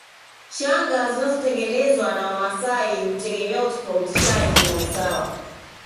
Shanga zinazotengenezwa na Wamasai hutegemea utofautishaji na usawa